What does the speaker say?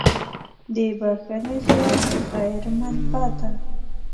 د بښنې زړه د خیر منبع ده.